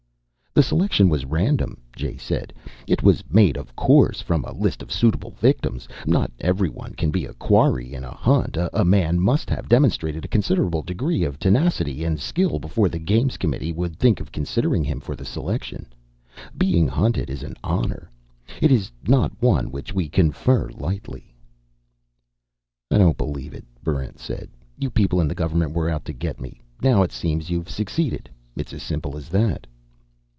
"The selection was random," Jay said. "It was made, of course, from a list of suitable victims. Not everyone can be a Quarry in a Hunt. A man must have demonstrated a considerable degree of tenacity and skill before the Games Committee would think of considering him for selection. Being Hunted is an honor; it is not one which we confer lightly." "I don't believe it," Barrent said. "You people in the government were out to get me. Now, it seems, you've succeeded. It's as simple as that."